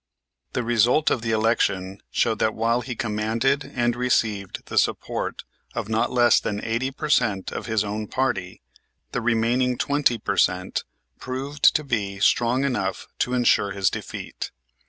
The result of the election showed that while he commanded and received the support of not less than eighty per cent of his own party, the remaining twenty per cent proved to be strong enough to insure his defeat.